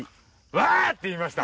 ワーって言いました。